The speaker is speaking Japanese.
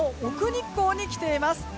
日光に来ています。